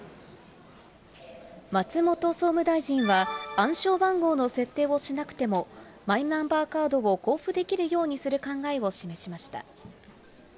松本総務大臣は、暗証番号の設定をしなくても、マイナンバーカードを交付できるようにする考えを示しました。